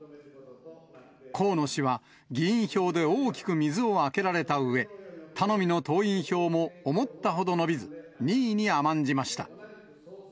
河野氏は議員票で大きく水をあけられたうえ、頼みの党員票も思ったほど伸びず、２位に甘んじました。